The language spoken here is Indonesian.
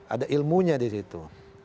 ada ilmunya di situ